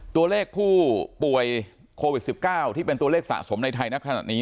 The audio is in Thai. ตัวเลขผู้ป่วยโควิด๑๙ที่เป็นตัวเลขสะสมในไทยณขณะนี้